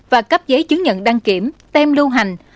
và cấp giấy chứng nhận đăng kiểm tem lưu hành